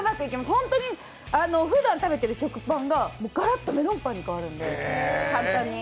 本当にふだん食べてる食パンがガラッとメロンパンに変わるんで、簡単に。